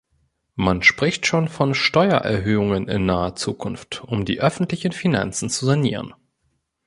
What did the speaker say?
Man spricht schon von Steuererhöhungen in naher Zukunft, um die öffentlichen Finanzen zu sanieren.